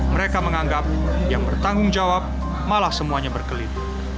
mereka menganggap yang bertanggung jawab malah semuanya berkelit